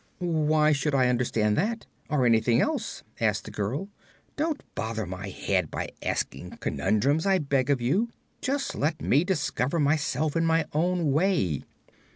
"Why should I understand that, or anything else?" asked the girl. "Don't bother my head by asking conundrums, I beg of you. Just let me discover myself in my own way."